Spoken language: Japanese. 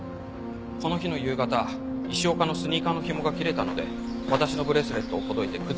この日の夕方石岡のスニーカーのひもが切れたので私のブレスレットをほどいて靴ひもにしてやったんです。